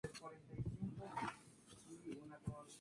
Valerius nace en Hesse o Erfurt.